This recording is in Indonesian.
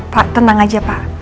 pak tenang aja pak